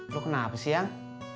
lo kenapa sih yang